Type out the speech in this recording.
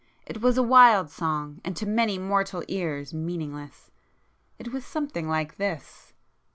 It was a wild song, and to many mortal ears meaningless,—it [p 354] was something like this